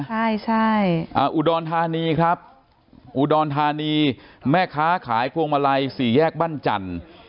ใช่อุดรธานีครับแม่ค้าขายควงมาลัย๔แยกบ้านจันทร์